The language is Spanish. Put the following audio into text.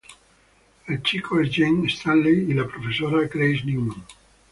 El chico es James Stanley y la profesora Grace Newman.